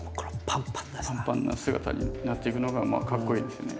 パンパンな姿になっていくのがかっこイイですよね。